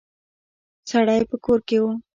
سړی په کور کې و.